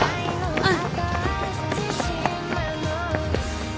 うん